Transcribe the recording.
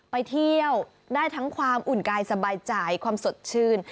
ไปเที่ยวได้ทั้งความอุ่นกายสบายใจความสดชื่น